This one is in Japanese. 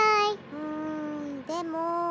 うんでも。